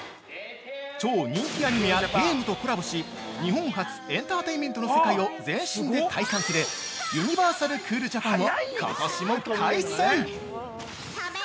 超人気アニメやゲームとコラボし、日本発エンターテイメントの世界を全身で体感する「ユニバーサル・クールジャパン」をことしも開催！